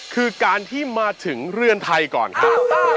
คือการที่มาถึงเรือนไทยก่อนครับ